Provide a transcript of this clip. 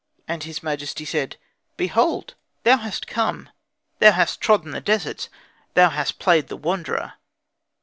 And his majesty said, "Behold thou hast come, thou hast trodden the deserts, thou hast played the wanderer.